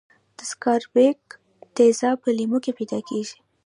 د سکاربیک تیزاب په لیمو کې پیداکیږي.